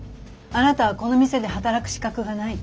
あなたはこの店で働く資格がない。